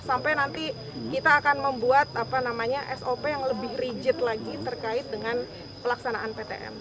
sampai nanti kita akan membuat sop yang lebih rigid lagi terkait dengan pelaksanaan ptm